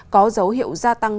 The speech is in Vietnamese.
có dấu hiệu gia tăng